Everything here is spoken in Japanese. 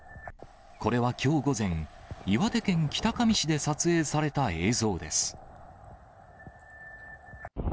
これはきょう午前、岩手県北上市で撮影された映像です。